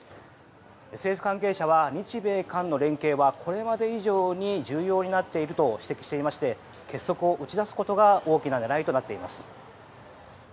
政府関係者は日米韓の関係はこれまで以上に重要になっていると指摘していまして結束を打ち出すことが大きな狙いとなっています。